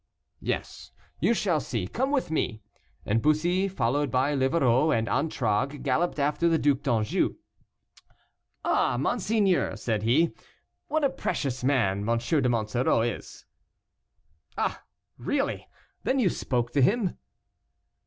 "Yes, you shall see; come with me," and Bussy, followed by Livarot and Antragues, galloped after the Duc d'Anjou. "Ah, monseigneur," said he, "what a precious man M. de Monsoreau is." "Ah! really; then you spoke to him?"